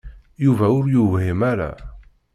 Yuba ur yewhim ara.